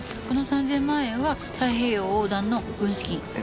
この３０００万円は太平洋横断の軍資金。